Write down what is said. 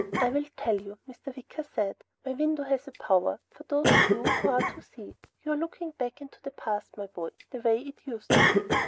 "I will tell you," Mr. Wicker said. "My window has a power for those few who are to see. You are looking back into the past, my boy. The way it used to be."